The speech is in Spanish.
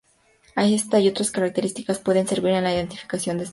Esta y otras características pueden servir en la identificación de especies.